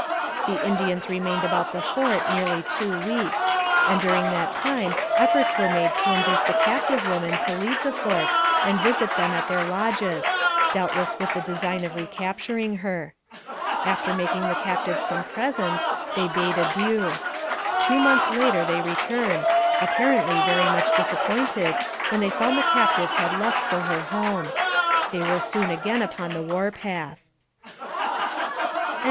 The Indians remained about the fort nearly two weeks, and during that time efforts were made to induce the captive woman to leave the fort and visit them at their lodges, doubtless with the design of recapturing her. After making the captive some presents, they bade adieu. Two months later they returned, apparently very much disappointed when they found the captive had left for her home. They were soon again upon the war path.